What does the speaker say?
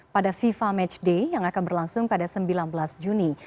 pada fifa matchday yang akan berlangsung pada sembilan belas juni